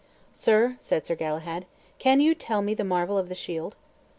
"Sir," said Sir Galahad, "can you tell me the marvel of the shield?"